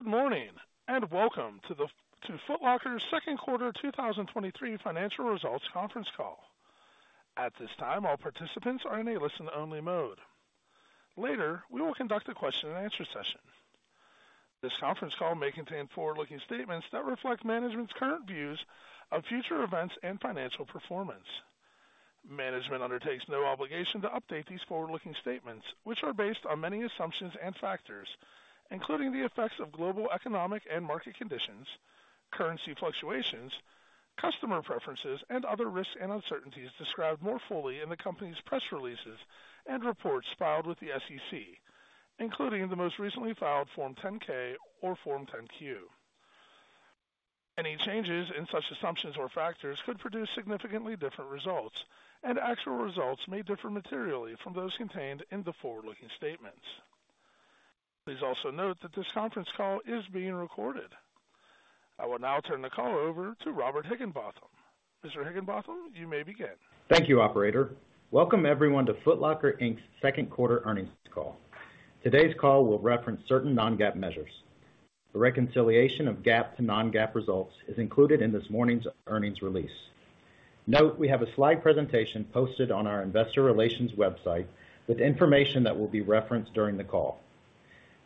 Good morning. Welcome to Foot Locker's second quarter 2023 financial results conference call. At this time, all participants are in a listen-only mode. Later, we will conduct a question-and-answer session. This conference call may contain forward-looking statements that reflect management's current views of future events and financial performance. Management undertakes no obligation to update these forward-looking statements, which are based on many assumptions and factors, including the effects of global economic and market conditions, currency fluctuations, customer preferences, and other risks and uncertainties described more fully in the company's press releases and reports filed with the SEC, including the most recently filed Form 10-K or Form 10-Q. Any changes in such assumptions or factors could produce significantly different results, and actual results may differ materially from those contained in the forward-looking statements. Please also note that this conference call is being recorded. I will now turn the call over to Robert Higginbotham. Mr. Higginbotham, you may begin. Thank you, operator. Welcome, everyone to Foot Locker, Inc.'s second quarter earnings call. Today's call will reference certain non-GAAP measures. The reconciliation of GAAP to non-GAAP results is included in this morning's earnings release. Note, we have a slide presentation posted on our investor relations website with information that will be referenced during the call.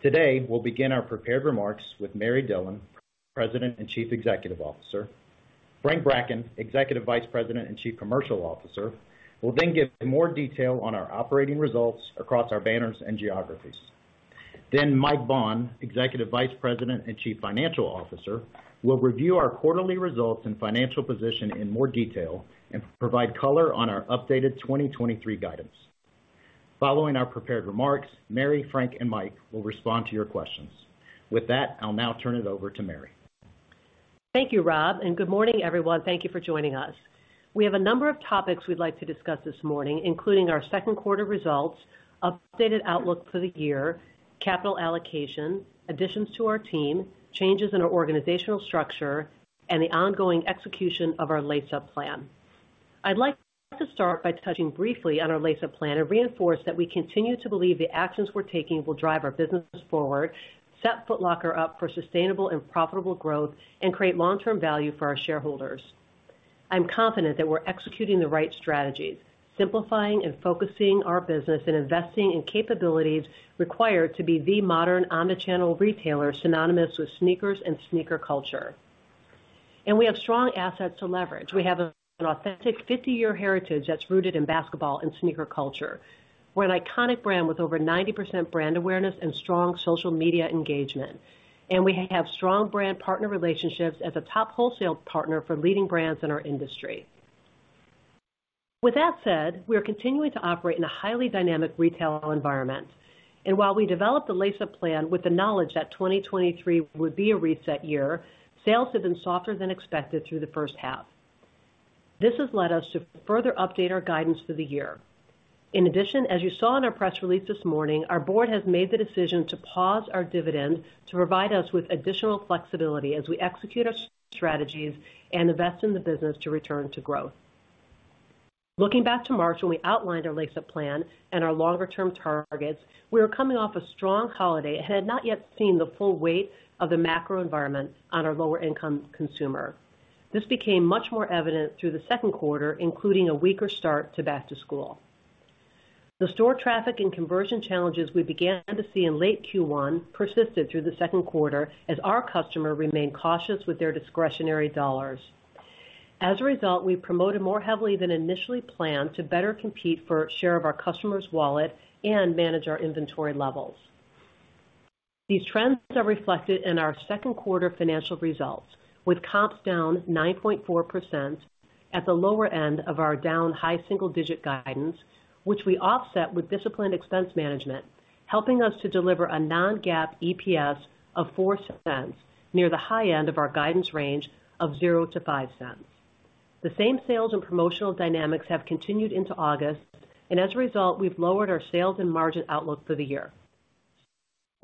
Today, we'll begin our prepared remarks with Mary Dillon, President and Chief Executive Officer. Frank Bracken, Executive Vice President and Chief Commercial Officer, will then give more detail on our operating results across our banners and geographies. Mike Baughn, Executive Vice President and Chief Financial Officer, will review our quarterly results and financial position in more detail and provide color on our updated 2023 guidance. Following our prepared remarks, Mary, Frank, and Mike will respond to your questions. With that, I'll now turn it over to Mary. Thank you, Rob, and good morning, everyone. Thank you for joining us. We have a number of topics we'd like to discuss this morning, including our second quarter results, updated outlook for the year, capital allocation, additions to our team, changes in our organizational structure, and the ongoing execution of our Lace Up plan. I'd like to start by touching briefly on our Lace Up plan and reinforce that we continue to believe the actions we're taking will drive our businesses forward, set Foot Locker up for sustainable and profitable growth, and create long-term value for our shareholders. I'm confident that we're executing the right strategies, simplifying and focusing our business, and investing in capabilities required to be the modern omnichannel retailer synonymous with sneakers and sneaker culture. We have strong assets to leverage. We have an authentic 50-year heritage that's rooted in basketball and sneaker culture. We're an iconic brand with over 90% brand awareness and strong social media engagement. We have strong brand partner relationships as a top wholesale partner for leading brands in our industry. With that said, we are continuing to operate in a highly dynamic retail environment. While we developed the Lace Up plan with the knowledge that 2023 would be a reset year, sales have been softer than expected through the first half. This has led us to further update our guidance for the year. In addition, as you saw in our press release this morning, our board has made the decision to pause our dividend to provide us with additional flexibility as we execute our strategies and invest in the business to return to growth. Looking back to March, when we outlined our Lace Up plan and our longer-term targets, we were coming off a strong holiday and had not yet seen the full weight of the macro environment on our lower-income consumer. This became much more evident through the second quarter, including a weaker start to back-to-school. The store traffic and conversion challenges we began to see in late Q1 persisted through the second quarter as our customer remained cautious with their discretionary dollars. As a result, we promoted more heavily than initially planned to better compete for share of our customers' wallets and manage our inventory levels. These trends are reflected in our second quarter financial results, with comps down 9.4% at the lower end of our down high single-digit guidance, which we offset with disciplined expense management, helping us to deliver a non-GAAP EPS of $0.04, near the high end of our guidance range of $0.00-$0.05. The same sales and promotional dynamics have continued into August, and as a result, we've lowered our sales and margin outlook for the year.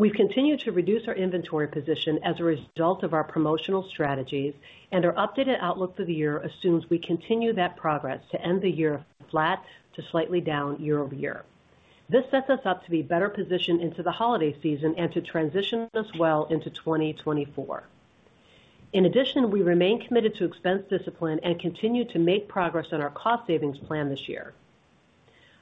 We've continued to reduce our inventory position as a result of our promotional strategies, and our updated outlook for the year assumes we continue that progress to end the year flat to slightly down year-over-year. This sets us up to be better positioned into the holiday season and to transition us well into 2024. In addition, we remain committed to expense discipline and continue to make progress on our cost savings plan this year.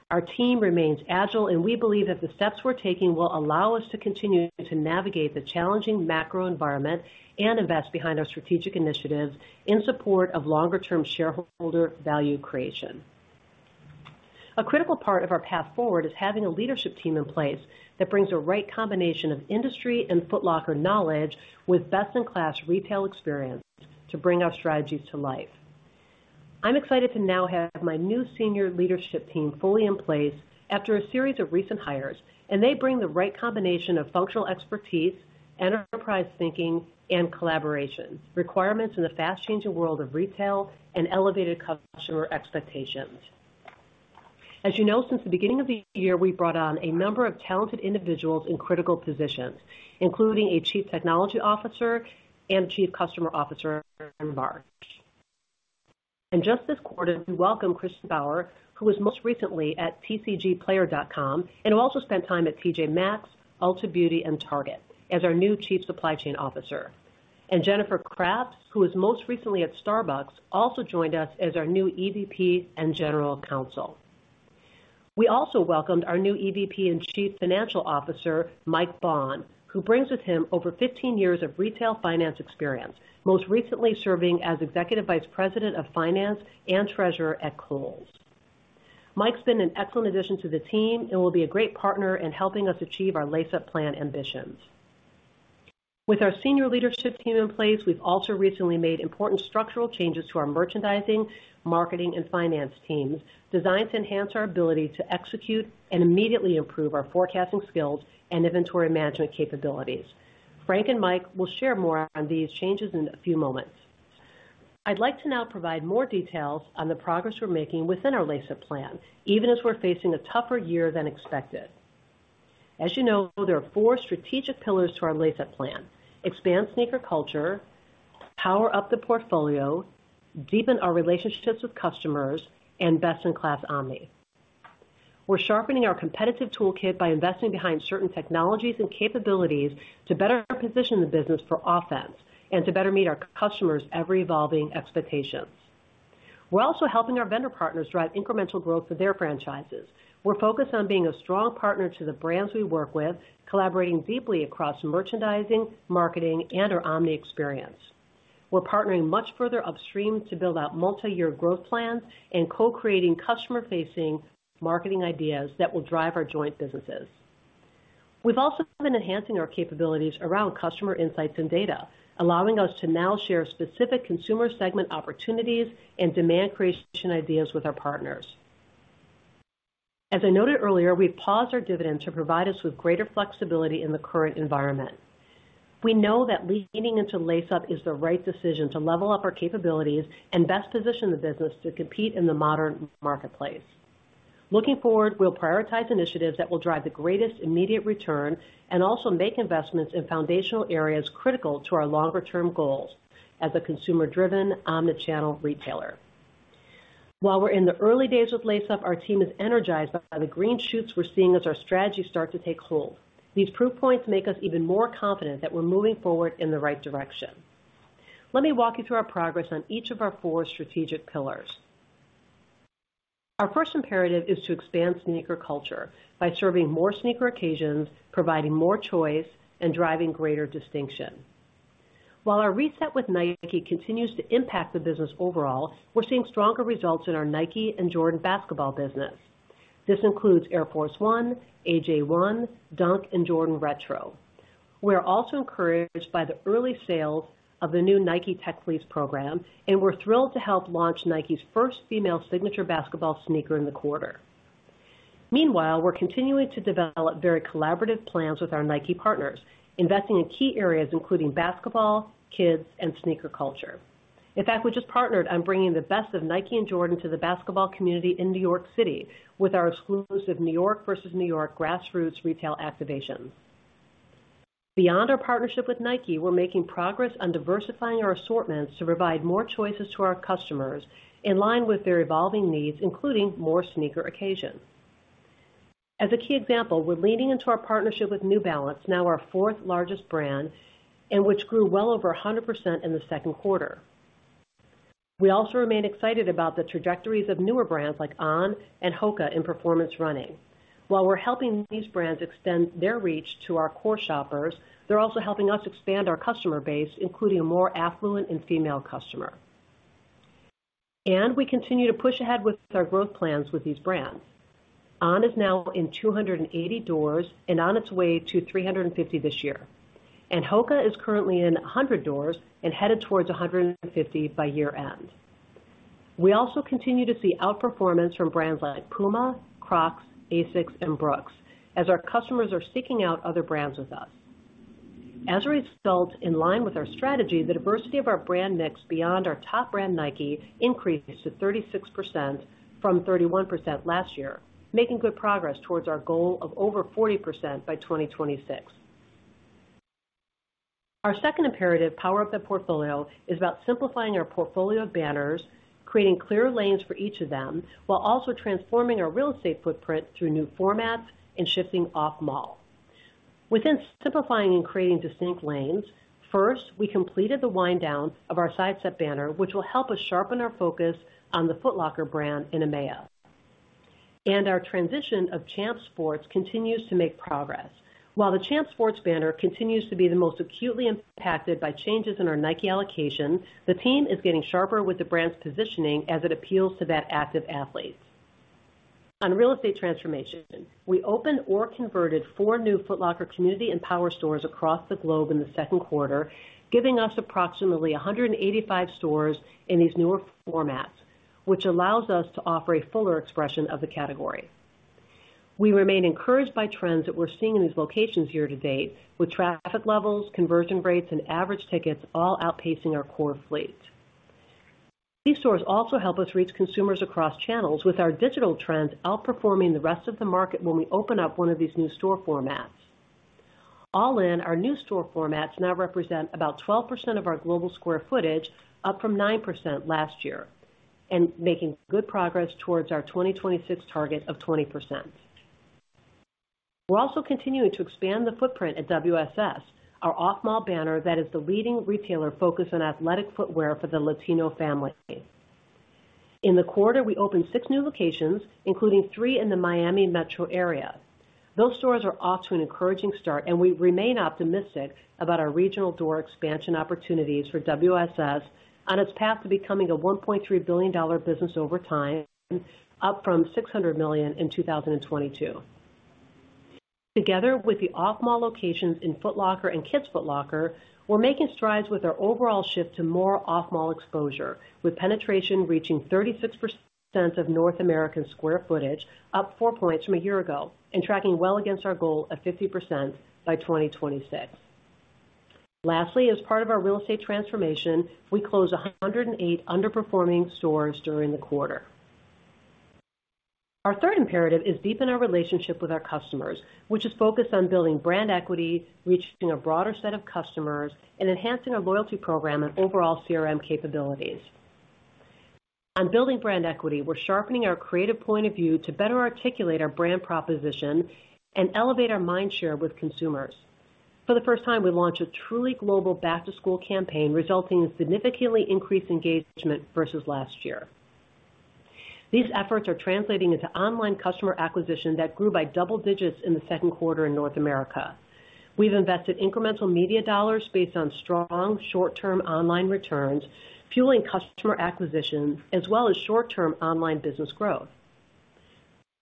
Our team remains agile, and we believe that the steps we're taking will allow us to continue to navigate the challenging macro environment and invest behind our strategic initiatives in support of longer-term shareholder value creation. A critical part of our path forward is having a leadership team in place that brings the right combination of industry and Foot Locker knowledge with best-in-class retail experience to bring our strategies to life. I'm excited to now have my new senior leadership team fully in place after a series of recent hires, and they bring the right combination of functional expertise, enterprise thinking, and collaboration, requirements in the fast-changing world of retail and elevated customer expectations. As you know, since the beginning of the year, we brought on a number of talented individuals in critical positions, including a chief technology officer and chief customer officer in March. Just this quarter, we welcomed Kristin Bauer, who was most recently at TCGplayer, and also spent time at TJ Maxx, Ulta Beauty, and Target as our new Chief Supply Chain Officer. Jennifer Kraft, who was most recently at Starbucks, also joined us as our new EVP and General Counsel. We also welcomed our new EVP and Chief Financial Officer, Mike Baughn, who brings with him over 15 years of retail finance experience, most recently serving as Executive Vice President of Finance and Treasurer at Kohl's. Mike's been an excellent addition to the team and will be a great partner in helping us achieve our Lace Up plan ambitions. With our senior leadership team in place, we've also recently made important structural changes to our merchandising, marketing, and finance teams, designed to enhance our ability to execute and immediately improve our forecasting skills and inventory management capabilities. Frank and Mike will share more on these changes in a few moments. I'd like to now provide more details on the progress we're making within our Lace Up plan, even as we're facing a tougher year than expected. As you know, there are four strategic pillars to our Lace Up plan: expand sneaker culture, power up the portfolio, deepen our relationships with customers, and best-in-class omni. We're sharpening our competitive toolkit by investing behind certain technologies and capabilities to better position the business for offense and to better meet our customers' ever-evolving expectations. We're also helping our vendor partners drive incremental growth of their franchises. We're focused on being a strong partner to the brands we work with, collaborating deeply across merchandising, marketing, and our omni experience. We're partnering much further upstream to build out multi-year growth plans and co-creating customer-facing marketing ideas that will drive our joint businesses. We've also been enhancing our capabilities around customer insights and data, allowing us to now share specific consumer segment opportunities and demand creation ideas with our partners. As I noted earlier, we've paused our dividend to provide us with greater flexibility in the current environment. We know that leaning into Lace Up is the right decision to level up our capabilities and best position the business to compete in the modern marketplace. Looking forward, we'll prioritize initiatives that will drive the greatest immediate return and also make investments in foundational areas critical to our longer-term goals as a consumer-driven, omni-channel retailer. While we're in the early days with Lace Up, our team is energized by the green shoots we're seeing as our strategy starts to take hold. These proof points make us even more confident that we're moving forward in the right direction. Let me walk you through our progress on each of our four strategic pillars. Our first imperative is to expand sneaker culture by serving more sneaker occasions, providing more choice, and driving greater distinction. While our reset with Nike continues to impact the business overall, we're seeing stronger results in our Nike and Jordan basketball business. This includes Air Force one, AJ one, Dunk, and Jordan Retro. We are also encouraged by the early sales of the new Nike Tech Fleece program, and we're thrilled to help launch Nike's first female signature basketball sneaker in the quarter. Meanwhile, we're continuing to develop very collaborative plans with our Nike partners, investing in key areas including basketball, kids, and sneaker culture. In fact, we just partnered on bringing the best of Nike and Jordan to the basketball community in New York City with our exclusive New York versus New York grassroots retail activation. Beyond our partnership with Nike, we're making progress on diversifying our assortments to provide more choices to our customers in line with their evolving needs, including more sneaker occasions. As a key example, we're leaning into our partnership with New Balance, now our fourth largest brand, and which grew well over 100% in the second quarter. We also remain excited about the trajectories of newer brands like On and Hoka in performance running. While we're helping these brands extend their reach to our core shoppers, they're also helping us expand our customer base, including a more affluent and female customer. We continue to push ahead with our growth plans with these brands. On is now in 280 doors and on its way to 350 this year. Hoka is currently in 100 doors and headed towards 150 by year-end. We also continue to see outperformance from brands like Puma, Crocs, ASICS, and Brooks, as our customers are seeking out other brands with us. As a result, in line with our strategy, the diversity of our brand mix beyond our top brand, Nike, increased to 36% from 31% last year, making good progress towards our goal of over 40% by 2026. Our second imperative, power up the portfolio, is about simplifying our portfolio of banners, creating clear lanes for each of them, while also transforming our real estate footprint through new formats and shifting off mall. Within simplifying and creating distinct lanes, first, we completed the wind-down of our Sidestep banner, which will help us sharpen our focus on the Foot Locker brand in EMEA. Our transition of Champs Sports continues to make progress. While the Champs Sports banner continues to be the most acutely impacted by changes in our Nike allocation, the team is getting sharper with the brand's positioning as it appeals to that Active Athlete. On real estate transformation, we opened or converted four new Foot Locker Community and Power Stores across the globe in the second quarter, giving us approximately 185 stores in these newer formats, which allows us to offer a fuller expression of the category. We remain encouraged by trends that we're seeing in these locations year to date, with traffic levels, conversion rates, and average tickets all outpacing our core fleet. These stores also help us reach consumers across channels, with our digital trends outperforming the rest of the market when we open up one of these new store formats. All in, our new store formats now represent about 12% of our global square footage, up from 9% last year, and making good progress towards our 2026 target of 20%. We're also continuing to expand the footprint at WSS, our off-mall banner that is the leading retailer focused on athletic footwear for the Latino family. In the quarter, we opened six new locations, including three in the Miami metro area. Those stores are off to an encouraging start. We remain optimistic about our regional door expansion opportunities for WSS on its path to becoming a $1.3 billion business over time, up from $600 million in 2022. Together with the off-mall locations in Foot Locker and Kids Foot Locker, we're making strides with our overall shift to more off-mall exposure, with penetration reaching 36% of North American square footage, up four points from a year ago and tracking well against our goal of 50% by 2026. Lastly, as part of our real estate transformation, we closed 108 underperforming stores during the quarter. Our third imperative is deepen our relationship with our customers, which is focused on building brand equity, reaching a broader set of customers, and enhancing our loyalty program and overall CRM capabilities. On building brand equity, we're sharpening our creative point of view to better articulate our brand proposition and elevate our mind share with consumers. For the first time, we launched a truly global back-to-school campaign, resulting in significantly increased engagement versus last year. These efforts are translating into online customer acquisition that grew by double-digits in the second quarter in North America. We've invested incremental media dollars based on strong short-term online returns, fueling customer acquisition as well as short-term online business growth.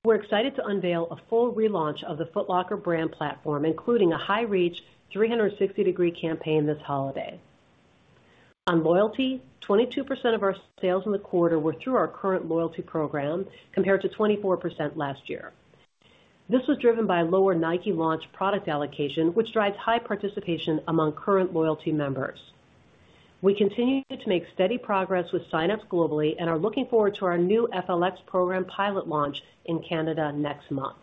We're excited to unveil a full relaunch of the Foot Locker brand platform, including a high-reach, 360-degree campaign this holiday. On loyalty, 22% of our sales in the quarter were through our current loyalty program, compared to 24% last year. This was driven by lower Nike launch product allocation, which drives high participation among current loyalty members. We continue to make steady progress with sign-ups globally and are looking forward to our new FLX program pilot launch in Canada next month.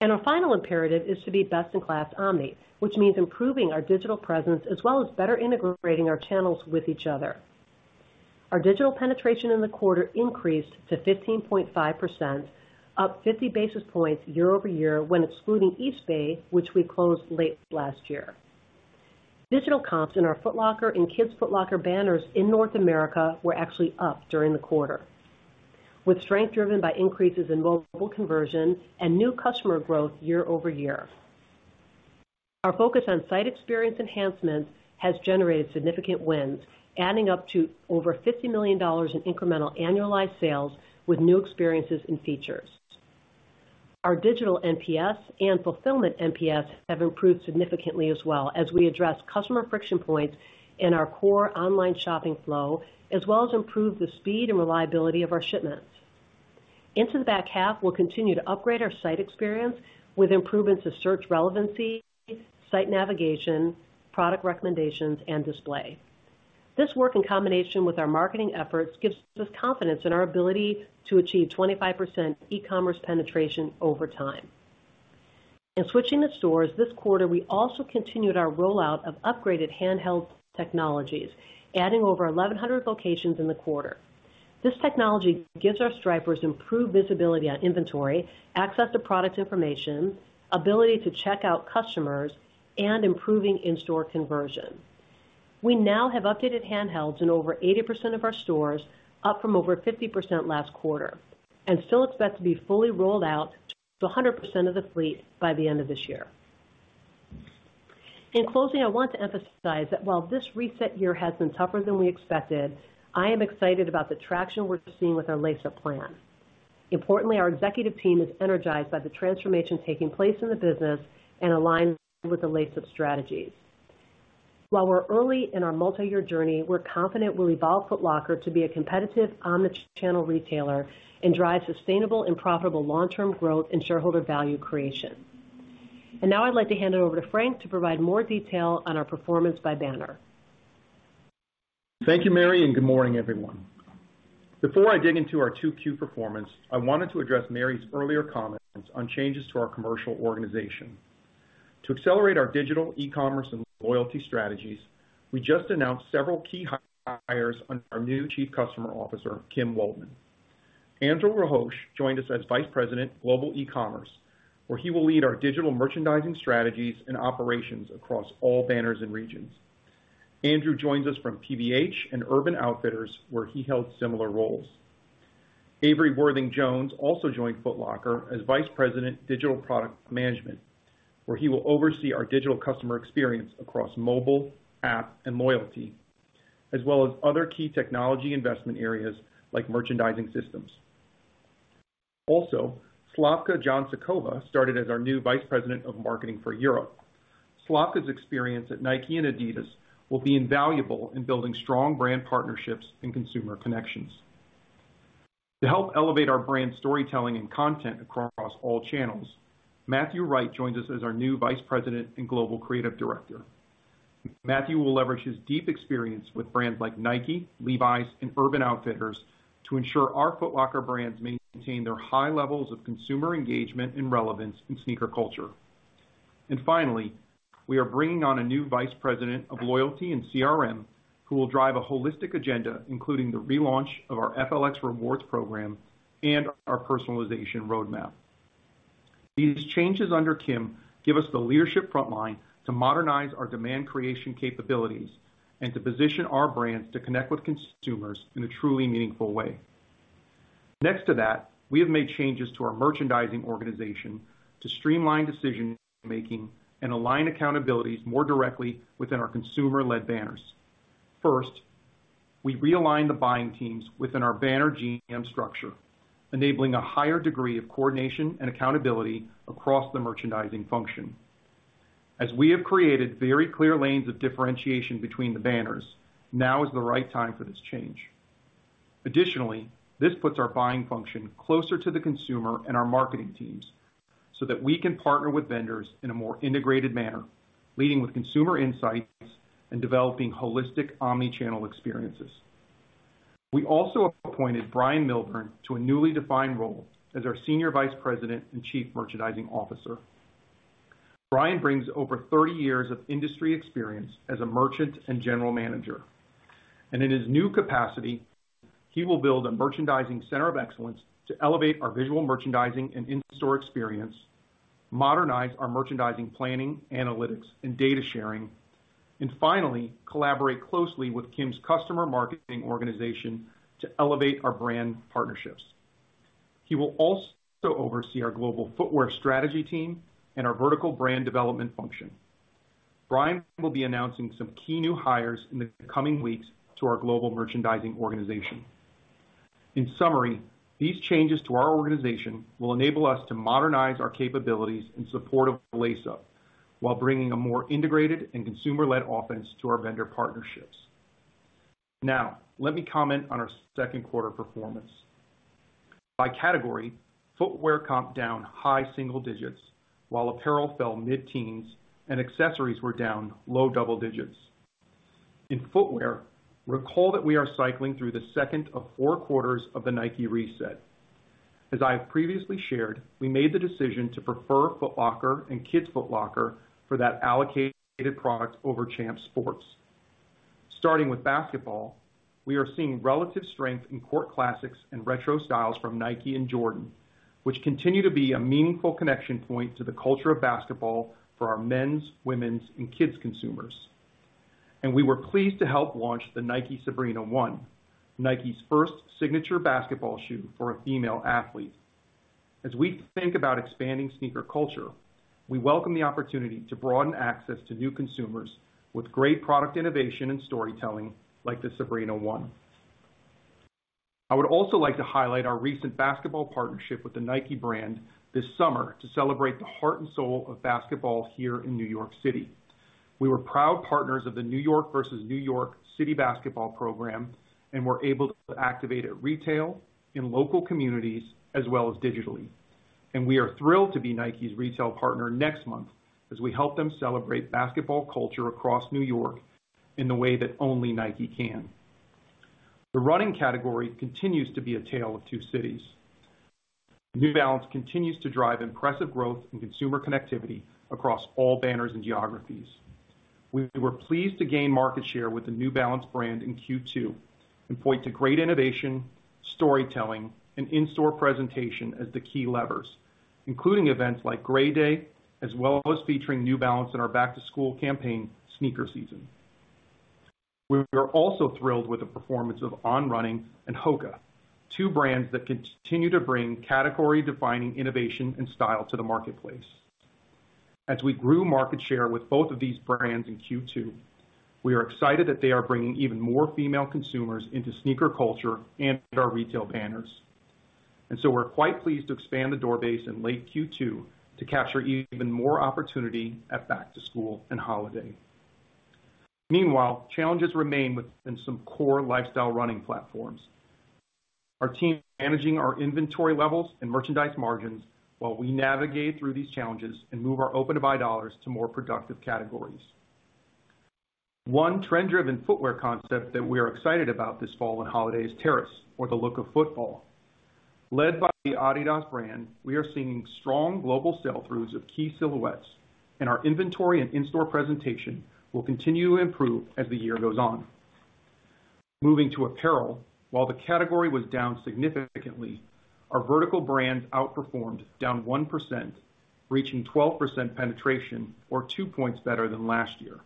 Our final imperative is to be best-in-class omni, which means improving our digital presence as well as better integrating our channels with each other. Our digital penetration in the quarter increased to 15.5%, up 50 basis points year-over-year, when excluding Eastbay, which we closed late last year. Digital comps in our Foot Locker and Kids Foot Locker banners in North America were actually up during the quarter, with strength driven by increases in mobile conversion and new customer growth year-over-year. Our focus on site experience enhancements has generated significant wins, adding up to over $50 million in incremental annualized sales with new experiences and features. Our digital NPS and fulfillment NPS have improved significantly as well, as we address customer friction points in our core online shopping flow, as well as improve the speed and reliability of our shipments. We'll continue to upgrade our site experience with improvements to search relevancy, site navigation, product recommendations, and display. This work, in combination with our marketing efforts, gives us confidence in our ability to achieve 25% e-commerce penetration over time. In switching to stores, this quarter, we also continued our rollout of upgraded handheld technologies, adding over 1,100 locations in the quarter. This technology gives our Stripers improved visibility on inventory, access to product information, ability to check out customers, and improving in-store conversion. We now have updated handhelds in over 80% of our stores, up from over 50% last quarter, and still expect to be fully rolled out to 100% of the fleet by the end of this year. In closing, I want to emphasize that while this reset year has been tougher than we expected, I am excited about the traction we're seeing with our Lace Up plan. Importantly, our executive team is energized by the transformation taking place in the business and aligned with the Lace Up strategies. While we're early in our multi-year journey, we're confident we'll evolve Foot Locker to be a competitive, omni-channel retailer and drive sustainable and profitable long-term growth and shareholder value creation. Now I'd like to hand it over to Frank to provide more detail on our performance by banner. Thank you, Mary. Good morning, everyone. Before I dig into our 2Q performance, I wanted to address Mary's earlier comments on changes to our commercial organization. To accelerate our digital, e-commerce, and loyalty strategies, we just announced several key hires under our new Chief Customer Officer, Kim Waldmann. Andrew Rauch joined us as Vice President, Global e-commerce, where he will lead our digital merchandising strategies and operations across all banners and regions. Andrew joins us from PVH and Urban Outfitters, where he held similar roles. Avery Worthing-Jones also joined Foot Locker as Vice President, Digital Product Management, where he will oversee our digital customer experience across mobile, app, and loyalty, as well as other key technology investment areas like merchandising systems. Slavka Jancikova started as our new Vice President of Marketing for Europe. Slavka's experience at Nike and Adidas will be invaluable in building strong brand partnerships and consumer connections. To help elevate our brand storytelling and content across all channels, Matthew Wright joins us as our new Vice President and Global Creative Director. Matthew will leverage his deep experience with brands like Nike, Levi's, and Urban Outfitters to ensure our Foot Locker brands maintain their high levels of consumer engagement and relevance in sneaker culture. Finally, we are bringing on a new vice president of loyalty and CRM, who will drive a holistic agenda, including the relaunch of our FLX rewards program and our personalization roadmap. These changes under Kim give us the leadership frontline to modernize our demand creation capabilities and to position our brands to connect with consumers in a truly meaningful way. Next to that, we have made changes to our merchandising organization to streamline decision-making and align accountabilities more directly within our consumer-led banners. First, we realigned the buying teams within our banner GM structure, enabling a higher degree of coordination and accountability across the merchandising function. We have created very clear lanes of differentiation between the banners, now is the right time for this change. Additionally, this puts our buying function closer to the consumer and our marketing teams so that we can partner with vendors in a more integrated manner, leading with consumer insights and developing holistic omni-channel experiences. We also appointed Bryon Milburn to a newly defined role as our Senior Vice President and Chief Merchandising Officer. Bryon brings over 30 years of industry experience as a merchant and general manager. In his new capacity, he will build a merchandising center of excellence to elevate our visual merchandising and in-store experience, modernize our merchandising, planning, analytics, and data sharing, and finally, collaborate closely with Kim's customer marketing organization to elevate our brand partnerships. He will also oversee our global footwear strategy team and our vertical brand development function. Bryon will be announcing some key new hires in the coming weeks to our global merchandising organization. In summary, these changes to our organization will enable us to modernize our capabilities in support of Lace Up, while bringing a more integrated and consumer-led offense to our vendor partnerships. Let me comment on our second quarter performance. By category, footwear comp down high single-digits, while apparel fell mid-teens, and accessories were down low double-digits. In footwear, recall that we are cycling through the second of four quarters of the Nike reset. As I have previously shared, we made the decision to prefer Foot Locker and Kids Foot Locker for that allocated product over Champs Sports. Starting with basketball, we are seeing relative strength in court classics and retro styles from Nike and Jordan, which continue to be a meaningful connection point to the culture of basketball for our men's, women's, and kids' consumers. We were pleased to help launch the Nike Sabrina one, Nike's first signature basketball shoe for a female athlete. As we think about expanding sneaker culture, we welcome the opportunity to broaden access to new consumers with great product innovation and storytelling like the Sabrina one. I would also like to highlight our recent basketball partnership with Nike this summer to celebrate the heart and soul of basketball here in New York City. We were proud partners of the New York versus New York basketball program and were able to activate at retail, in local communities, as well as digitally. We are thrilled to be Nike's retail partner next month as we help them celebrate basketball culture across New York in the way that only Nike can. The running category continues to be a tale of two cities. New Balance continues to drive impressive growth and consumer connectivity across all banners and geographies. We were pleased to gain market share with the New Balance brand in Q2 and point to great innovation, storytelling, and in-store presentation as the key levers, including events like Grey Day, as well as featuring New Balance in our back-to-school campaign, Sneaker Season. We are also thrilled with the performance of On Running and Hoka, two brands that continue to bring category-defining innovation and style to the marketplace. As we grew market share with both of these brands in Q2, we are excited that they are bringing even more female consumers into sneaker culture and to our retail banners. We're quite pleased to expand the door base in late Q2 to capture even more opportunity at back-to-school and holiday. Meanwhile, challenges remain within some core lifestyle running platforms. Our team is managing our inventory levels and merchandise margins while we navigate through these challenges and move our open-to-buy dollars to more productive categories. One trend-driven footwear concept that we are excited about this fall and holiday is terrace, or the look of football. Led by the Adidas brand, we are seeing strong global sell-throughs of key silhouettes, and our inventory and in-store presentation will continue to improve as the year goes on. Moving to apparel, while the category was down significantly, our vertical brands outperformed, down 1%, reaching 12% penetration or two points better than last year.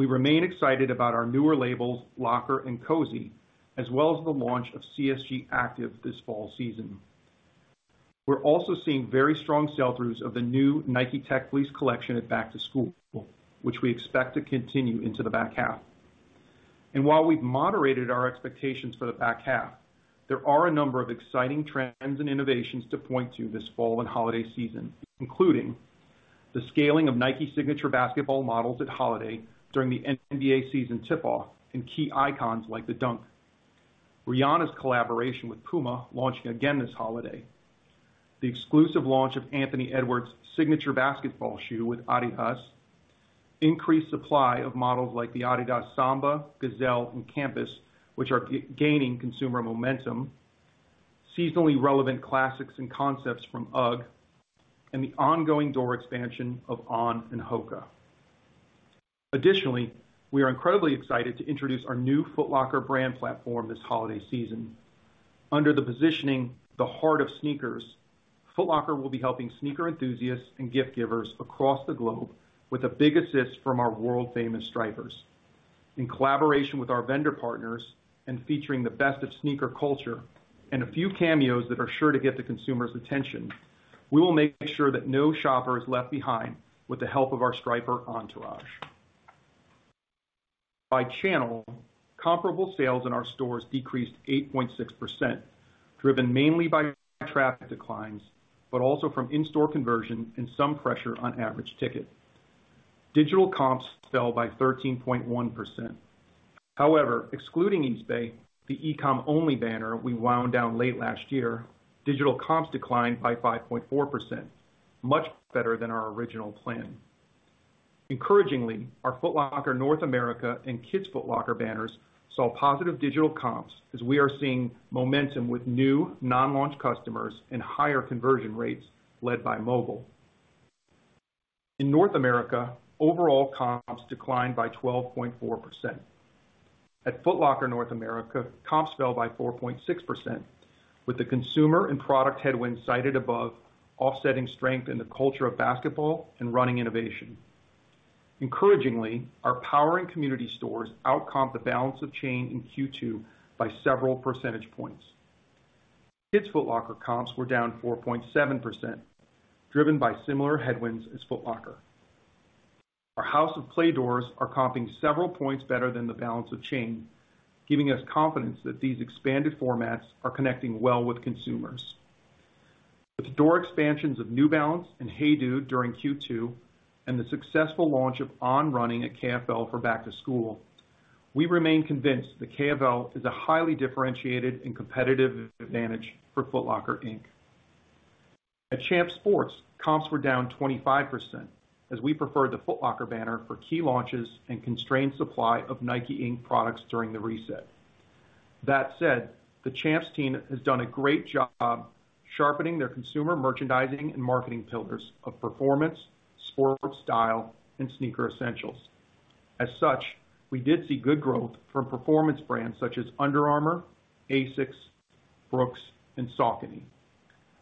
We remain excited about our newer labels, Locker and Cozi, as well as the launch of CSG Active this fall season. We're also seeing very strong sell-throughs of the new Nike Tech Fleece collection at back-to-school, which we expect to continue into the back half. While we've moderated our expectations for the back half, there are a number of exciting trends and innovations to point to this fall and holiday season, including the scaling of Nike signature basketball models at holiday during the NBA season tip-off and key icons like the Dunk. Rihanna's collaboration with Puma, launching again this holiday, the exclusive launch of Anthony Edwards' signature basketball shoe with Adidas, increased supply of models like the Adidas Samba, Gazelle, and Campus, which are gaining consumer momentum, seasonally relevant classics and concepts from UGG, and the ongoing door expansion of On and Hoka. Additionally, we are incredibly excited to introduce our new Foot Locker brand platform this holiday season. Under the positioning, The Heart of Sneakers, Foot Locker will be helping sneaker enthusiasts and gift givers across the globe with a big assist from our world-famous Stripers. In collaboration with our vendor partners and featuring the best of sneaker culture and a few cameos that are sure to get the consumer's attention, we will make sure that no shopper is left behind with the help of our Striper entourage. By channel, comparable sales in our stores decreased 8.6%, driven mainly by traffic declines, but also from in-store conversion and some pressure on average ticket. Digital comps fell by 13.1%. However, excluding Eastbay, the e-com only banner we wound down late last year, digital comps declined by 5.4%, much better than our original plan. Encouragingly, our Foot Locker North America and Kids Foot Locker banners saw positive digital comps as we are seeing momentum with new non-launch customers and higher conversion rates led by mobile. In North America, overall comps declined by 12.4%. At Foot Locker North America, comps fell by 4.6%, with the consumer and product headwinds cited above, offsetting strength in the culture of basketball and running innovation. Encouragingly, our Power and Community Stores outcomped the balance of chain in Q2 by several percentage points. Kids Foot Locker comps were down 4.7%, driven by similar headwinds as Foot Locker. Our House of Play doors are comping several points better than the balance of chain, giving us confidence that these expanded formats are connecting well with consumers. With door expansions of New Balance and Hey Dude during Q2, and the successful launch of On Running at KFL for back-to-school, we remain convinced that KFL is a highly differentiated and competitive advantage for Foot Locker, Inc. At Champs Sports, comps were down 25%, as we preferred the Foot Locker banner for key launches and constrained supply of Nike, Inc. products during the reset. That said, the Champs team has done a great job sharpening their consumer merchandising and marketing pillars of performance, sportsstyle, and sneaker essentials. As such, we did see good growth from performance brands such as Under Armour, ASICS, Brooks, and Saucony.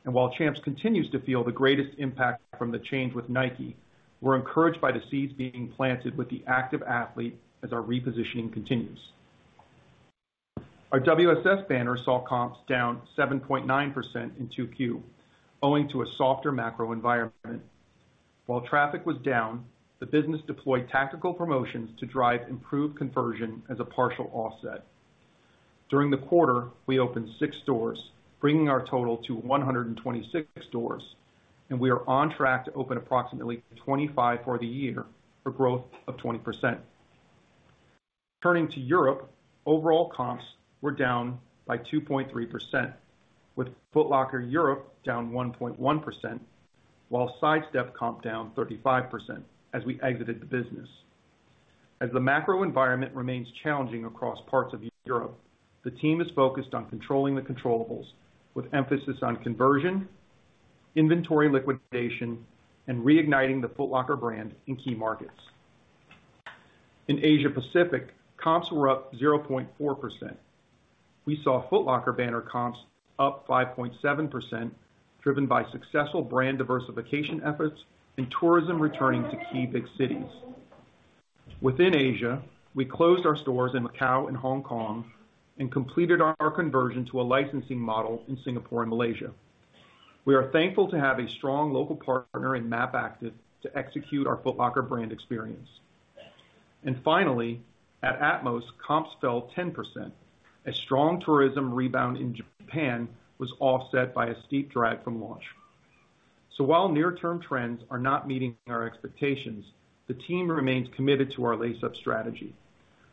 While Champs continues to feel the greatest impact from the change with Nike, we're encouraged by the seeds being planted with the active athlete as our repositioning continues. Our WSS banner saw comps down 7.9% in 2Q, owing to a softer macro environment. While traffic was down, the business deployed tactical promotions to drive improved conversion as a partial offset. During the quarter, we opened six stores, bringing our total to 126 stores. We are on track to open approximately 25 for the year, for growth of 20%. Turning to Europe, overall comps were down by 2.3%, with Foot Locker Europe down 1.1%, while Sidestep comped down 35% as we exited the business. As the macro environment remains challenging across parts of Europe, the team is focused on controlling the controllables, with emphasis on conversion, inventory liquidation, and reigniting the Foot Locker brand in key markets. In Asia Pacific, comps were up 0.4%. We saw Foot Locker banner comps up 5.7%, driven by successful brand diversification efforts and tourism returning to key big cities. Within Asia, we closed our stores in Macau and Hong Kong and completed our conversion to a licensing model in Singapore and Malaysia. We are thankful to have a strong local partner in MAP Active to execute our Foot Locker brand experience. Finally, at Atmos, comps fell 10% as strong tourism rebound in Japan was offset by a steep drag from launch. While near-term trends are not meeting our expectations, the team remains committed to our Lace Up strategy.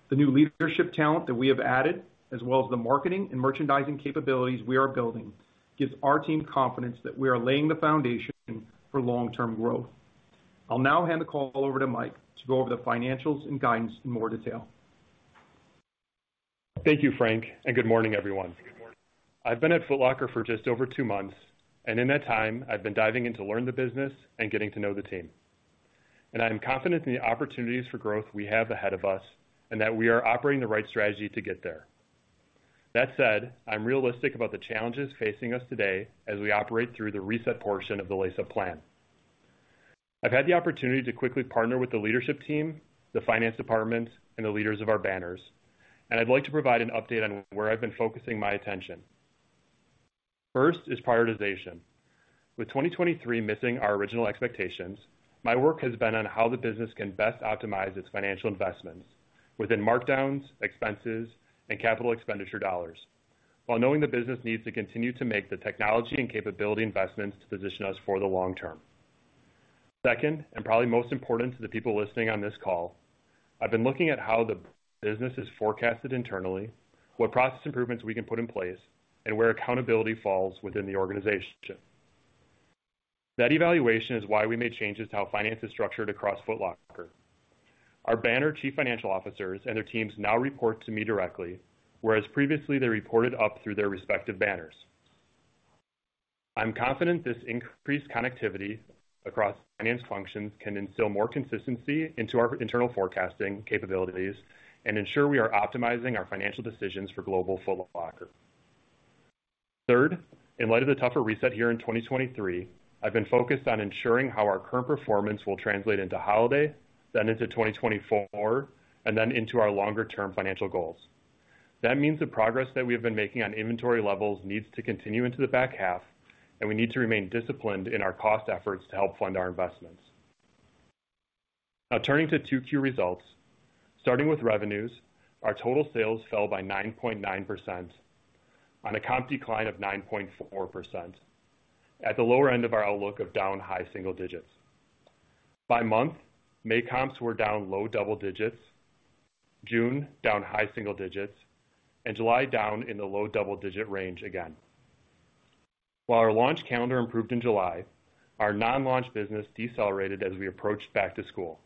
The new leadership talent that we have added, as well as the marketing and merchandising capabilities we are building, gives our team confidence that we are laying the foundation for long-term growth. I'll now hand the call over to Mike to go over the financials and guidance in more detail. Thank you, Frank, and good morning, everyone. I've been at Foot Locker for just over two months, and in that time, I've been diving in to learn the business and getting to know the team. I am confident in the opportunities for growth we have ahead of us, and that we are operating the right strategy to get there. That said, I'm realistic about the challenges facing us today as we operate through the reset portion of the Lace Up plan. I've had the opportunity to quickly partner with the leadership team, the finance department, and the leaders of our banners, and I'd like to provide an update on where I've been focusing my attention. First is prioritization. With 2023 missing our original expectations, my work has been on how the business can best optimize its financial investments within markdowns, expenses, and CapEx dollars, while knowing the business needs to continue to make the technology and capability investments to position us for the long term. Second, probably most important to the people listening on this call, I've been looking at how the business is forecasted internally, what process improvements we can put in place, and where accountability falls within the organization. That evaluation is why we made changes to how finance is structured across Foot Locker. Our banner Chief Financial Officers and their teams now report to me directly, whereas previously, they reported up through their respective banners. I'm confident this increased connectivity across finance functions can instill more consistency into our internal forecasting capabilities and ensure we are optimizing our financial decisions for global Foot Locker. Third, in light of the tougher reset here in 2023, I've been focused on ensuring how our current performance will translate into holiday, then into 2024, and then into our longer-term financial goals. That means the progress that we have been making on inventory levels needs to continue into the back half, and we need to remain disciplined in our cost efforts to help fund our investments. Turning to 2Q results. Starting with revenues, our total sales fell by 9.9% on a comp decline of 9.4% at the lower end of our outlook of down high single-digits. By month, May comps were down low double-digits, June down high single-digits, July down in the low double-digit range again. While our launch calendar improved in July, our non-launch business decelerated as we approached back-to-school.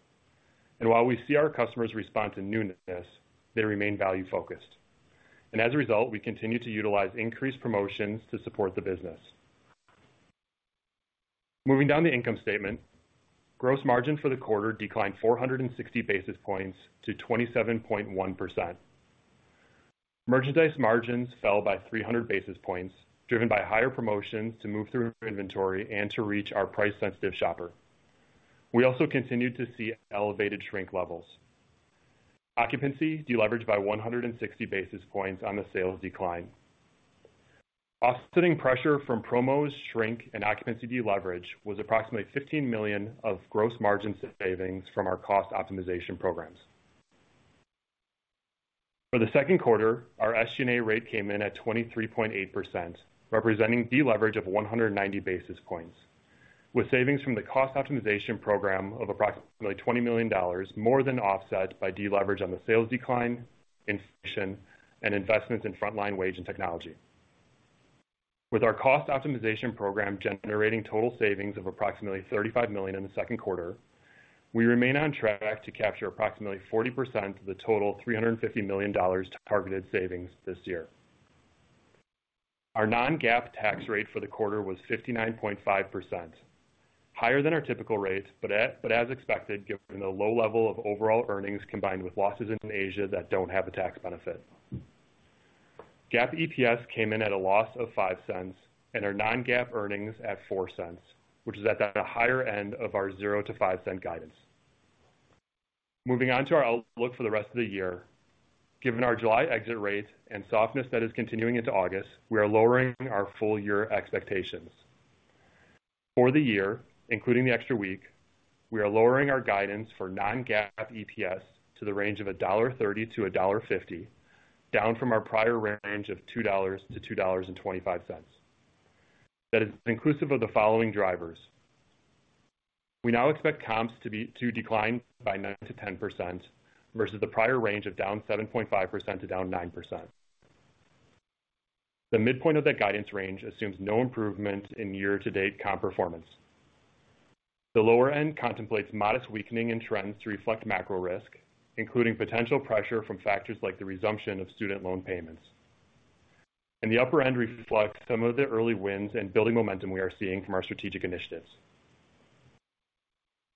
While we see our customers respond to newness, they remain value-focused. As a result, we continue to utilize increased promotions to support the business. Moving down the income statement, gross margin for the quarter declined 460 basis points to 27.1%. Merchandise margins fell by 300 basis points, driven by higher promotions to move through inventory and to reach our price-sensitive shoppers. We also continued to see elevated shrink levels. Occupancy deleveraged by 160 basis points on the sales decline. Offsetting pressure from promos, shrink, and occupancy deleverage was approximately $15 million of gross margin savings from our cost optimization programs. For the second quarter, our SG&A rate came in at 23.8%, representing a deleverage of 190 basis points, with savings from the cost optimization program of approximately $20 million, more than offset by deleverage on the sales decline, inflation, and investments in frontline wage and technology. With our cost optimization program generating total savings of approximately $35 million in the second quarter, we remain on track to capture approximately 40% of the total $350 million targeted savings this year. Our non-GAAP tax rate for the quarter was 59.5%, higher than our typical rates, but as expected, given the low level of overall earnings, combined with losses in Asia that don't have a tax benefit. GAAP EPS came in at a loss of $0.05, and our non-GAAP earnings at $0.04, which is at the higher end of our $0.00-$0.05 guidance. Moving on to our outlook for the rest of the year. Given our July exit rates and softness that is continuing into August, we are lowering our full-year expectations. For the year, including the extra week, we are lowering our guidance for non-GAAP EPS to the range of $1.30-$1.50, down from our prior range of $2-$2.25. That is inclusive of the following drivers: We now expect comps to decline by 9%-10% versus the prior range of -7.5% to -9%. The midpoint of that guidance range assumes no improvement in year-to-date comp performance. The lower end contemplates modest weakening in trends to reflect macro risk, including potential pressure from factors like the resumption of student loan payments. The upper end reflects some of the early wins and building momentum we are seeing from our strategic initiatives.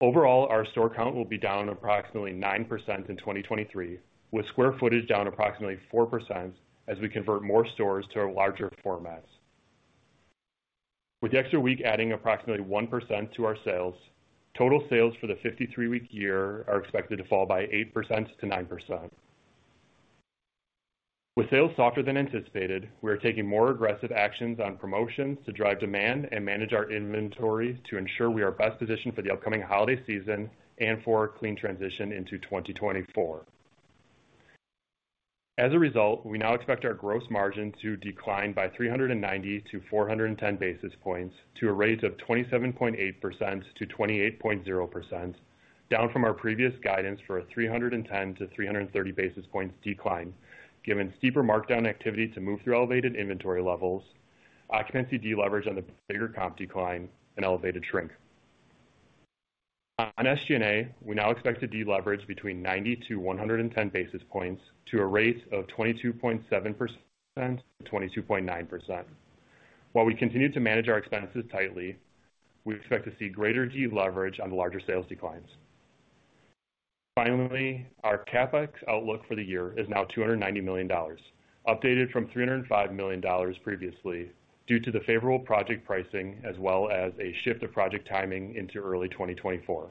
Overall, our store count will be down approximately 9% in 2023, with square footage down approximately 4% as we convert more stores to our larger formats. With the extra week adding approximately 1% to our sales, total sales for the 53-week year are expected to fall by 8%-9%. With sales softer than anticipated, we are taking more aggressive actions on promotions to drive demand and manage our inventory to ensure we are best positioned for the upcoming holiday season and for a clean transition into 2024. As a result, we now expect our gross margin to decline by 390-410 basis points to a rate of 27.8%-28.0%, down from our previous guidance for a 310-330 basis points decline, given steeper markdown activity to move through elevated inventory levels, occupancy deleverage on the bigger comp decline and elevated shrink. On SG&A, we now expect to deleverage between 90-110 basis points to a rate of 22.7%-22.9%. While we continue to manage our expenses tightly, we expect to see greater deleverage on larger sales declines. Finally, our CapEx outlook for the year is now $290 million, updated from $305 million previously, due to the favorable project pricing as well as a shift of project timing into early 2024.